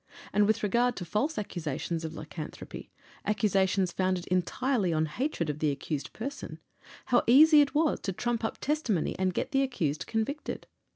And with regard to false accusations of lycanthropy accusations founded entirely on hatred of the accused person how easy it was to trump up testimony and get the accused convicted.